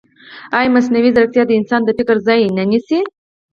ایا مصنوعي ځیرکتیا د انسان د فکر ځای نه نیسي؟